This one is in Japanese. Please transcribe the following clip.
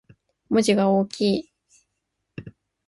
文字が大きい